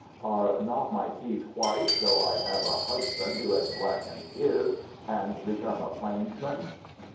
Are not my teeth white, though I have a husband who has blackened his and become a plainsman?"